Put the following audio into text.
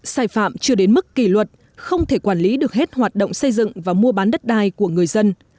sai phạm chưa đến mức kỷ luật không thể quản lý được hết hoạt động xây dựng và mua bán đất đai của người dân